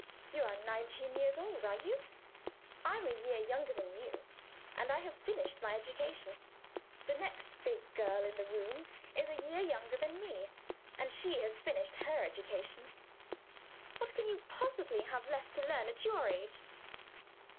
You are nineteen years old, are you? I'm a year younger than you and I have finished my education. The next big girl in the room is a year younger than me and she has finished her education. What can you possibly have left to learn at your age?"